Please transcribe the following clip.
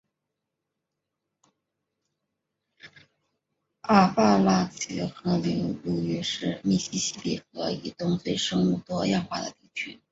阿巴拉契科拉河流域是密西西比河以东最生物多样化的地区